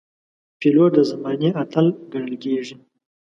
پیلوټ د زمانې اتل ګڼل کېږي.